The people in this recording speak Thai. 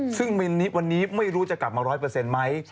ซึ่งวันนี้ไม่รู้จะกลับมาร้อยเปอร์เซ็นต์ไหม